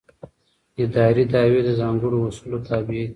اداري دعوې د ځانګړو اصولو تابع دي.